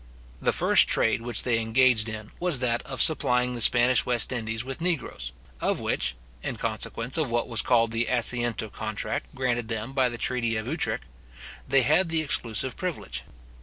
The first trade which they engaged in, was that of supplying the Spanish West Indies with negroes, of which (in consequence of what was called the Assiento Contract granted them by the treaty of Utrecht) they had the exclusive privilege.